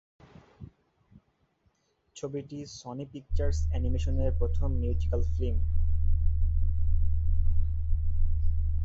ছবিটি Sony Pictures অ্যানিমেশনের প্রথম মিউজিক্যাল ফিল্ম।